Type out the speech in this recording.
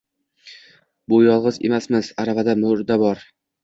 Biz yolg`iz emasmiz, aravada murda bor